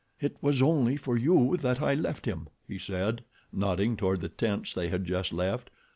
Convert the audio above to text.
"It was only for you that I left him," he said, nodding toward the tents they had just left.